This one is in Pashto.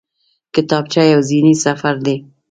کتابچه یو ذهني سفر دی